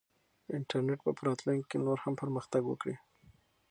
انټرنیټ به په راتلونکي کې نور هم پرمختګ وکړي.